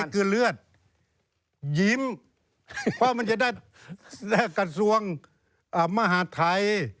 เป็นก็คืนเลือดยิ้มเพราะว่ามันจะได้กระทรวงมหาธัย